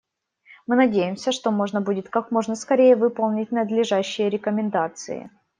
Мы надеемся, что можно будет как можно скорее выполнить надлежащие рекомендации.